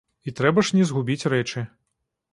І трэба ж не згубіць рэчы.